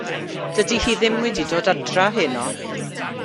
Dydi hi ddim wedi dod adra heno.